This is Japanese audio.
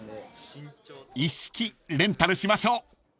［一式レンタルしましょう］